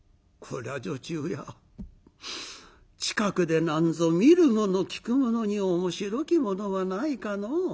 蔵女中や近くでなんぞ見るもの聴くものに面白きものはないかのう？」。